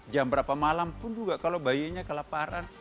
jam berapa malam pun juga kalau bayinya kelaparan